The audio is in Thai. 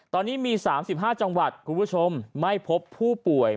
ตอนนี้มี๓๕จังหวัดคุณผู้ชมไม่พบผู้ป่วย